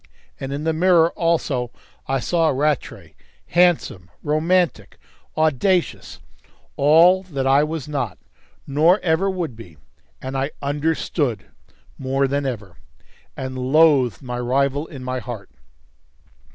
And in the mirror also I saw Rattray, handsome, romantic, audacious, all that I was not, nor ever would be, and I "understood" more than ever, and loathed my rival in my heart.